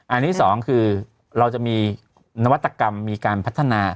อันนี้สองคือเราจะมีนวัตกรรมมีการพัฒนา